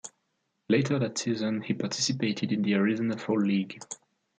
Later that season he participated in the Arizona Fall League.